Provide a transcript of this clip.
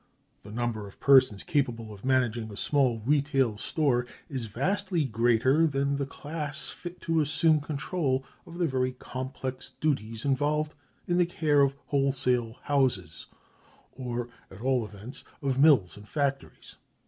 The number of persons capable of managing a small retail store is vastly greater than the class fit to assume control of the very complex duties involved in the care of wholesale houses—or, at all events, of mills and factories.